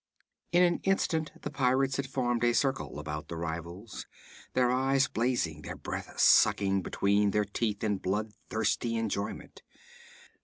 In an instant the pirates had formed a circle about the rivals, their eyes blazing, their breath sucking between their teeth in bloodthirsty enjoyment.